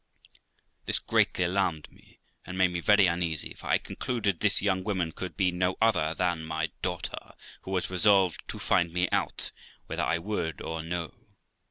This greatly alarmed me, and made me very uneasy, for I concluded this young woman could be no other than my daughter, who was resolved to find me out, whether I would or no.